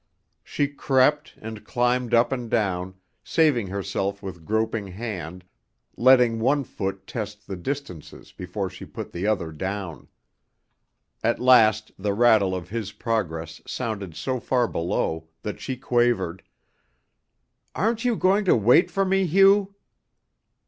She crept and climbed up and down, saving herself with groping hand, letting one foot test the distances before she put the other down. At last the rattle of his progress sounded so far below that she quavered: "Aren't you going to wait for me, Hugh?"